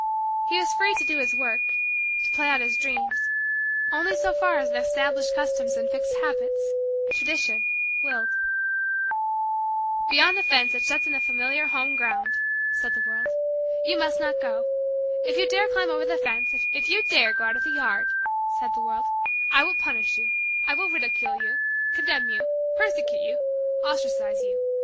He was free to do his work to play out his dreams only so far as the established customs and fixed habits Tradition willed. "Beyond the fence that shuts in the familiar home ground," said the world, "you must not go. If you dare climb over the fence if you dare go out of the yard," said the world, "I will punish you I will ridicule you, condemn you, persecute you, ostracize you.